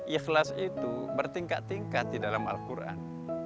ikhlas itu bertingkat tingkat di dalam al quran